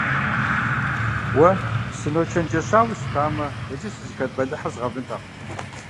Уэ сыночэнджэщауэ щытамэ, иджы сызыхэт бэлыхьыр згъэвынтэкъым.